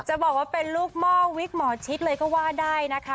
จะบอกว่าเป็นลูกหม้อวิกหมอชิดเลยก็ว่าได้นะคะ